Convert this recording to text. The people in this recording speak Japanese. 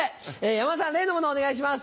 山田さん例のものをお願いします。